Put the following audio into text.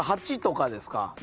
８とかですか？